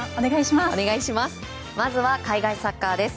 まずは海外サッカーです。